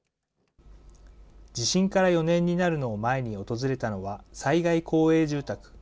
地震から４年になるのを前に訪れたのは、災害公営住宅。